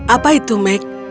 apa itu meg